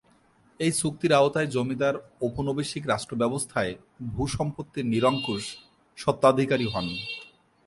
এই চুক্তির আওতায় জমিদার ঔপনিবেশিক রাষ্ট্রব্যবস্থায় ভূ-সম্পত্তির নিরঙ্কুশ স্বত্বাধিকারী হন।